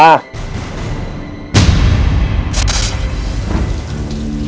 tapi aku rendra